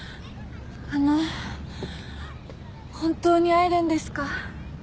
あの本当に会えるんですか？